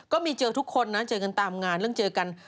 เจอทุกคนนะเจอกันตามงานเรื่องเจอกัน